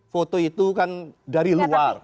foto itu kan dari luar